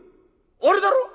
あれだろ？